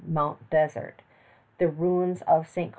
Mount Desert, the ruins of Ste.